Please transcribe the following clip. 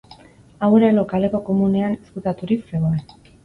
Hau ere, lokaleko komunean ezkutaturik zegoen.